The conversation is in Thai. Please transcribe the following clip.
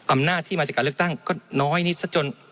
อำนาจที่มาจากการเลือกตั้งก็น้อยนิดซะจน